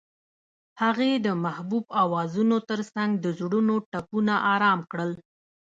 هغې د محبوب اوازونو ترڅنګ د زړونو ټپونه آرام کړل.